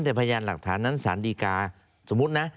เว้นแต่พยานหลักฐานนั้นศาลดีการ์สมมุทรนะ